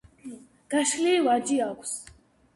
გაშლილი ვარჯი აქვს.